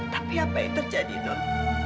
tapi apa yang terjadi don